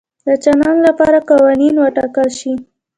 د چلند لپاره قوانین وټاکل شي.